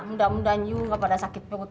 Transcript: mudah mudahan you gak pada sakit perut